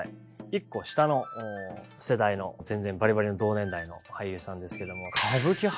１個下の世代の全然バリバリの同年代の俳優さんですけども。